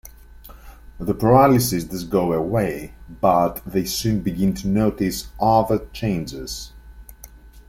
The paralysis does go away, but they soon begin to notice other changes.